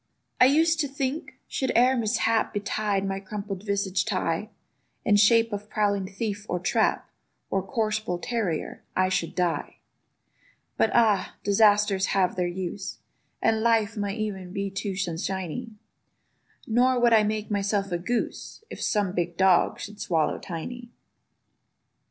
I used to think, should e'er mishap Betide my crumple visaged Ti, In shape of prowling thief, or trap, Or coarse bull terrier—I should die. But ah! disasters have their use; And life might e'en be too sunshiny: Nor would I make myself a goose, If some big dog should swallow Tiny.